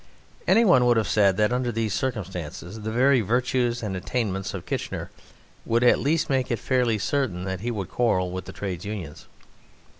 Anyone would have said that under these circumstances the very virtues and attainments of Kitchener would at least make it fairly certain that he would quarrel with the Trades Unions.